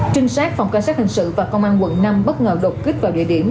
trinh sát phòng cảnh sát hình sự và công an quận năm bất ngờ đột kích vào địa điểm